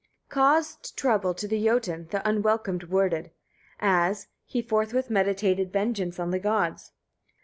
3. Caused trouble to the Jotun th' unwelcome worded As: he forthwith meditated vengeance on the gods.